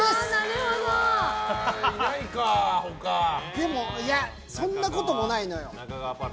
でもそんなこともないのよ。